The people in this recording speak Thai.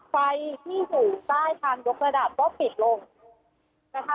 ไฟที่อยู่ใต้ทางยกระดับก็ปิดลงนะคะ